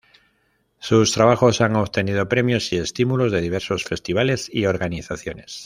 Sus trabajos han obtenido premios y estímulos de diversos festivales y organizaciones.